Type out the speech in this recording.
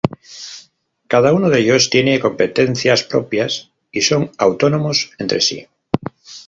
Cada uno de ellos tiene competencias propias y son autónomos entre sí.